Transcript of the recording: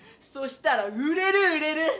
そしたら売れる売れる！